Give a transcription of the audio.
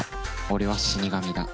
俺は死神だ。